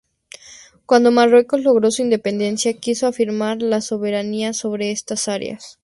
Cuando Marruecos logró su independencia, quiso reafirmar la soberanía sobre estas áreas.